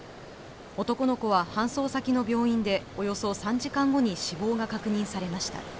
男の子は搬送先の病院でおよそ３時間後に死亡が確認されました。